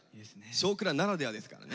「少クラ」ならではですからね。